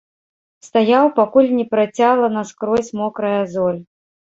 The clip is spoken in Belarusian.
Стаяў, пакуль не працяла наскрозь мокрая золь.